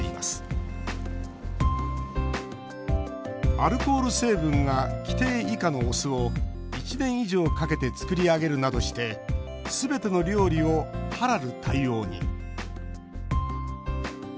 アルコール成分が規定以下のお酢を１年以上かけて作り上げるなどしてすべての料理をハラル対応に。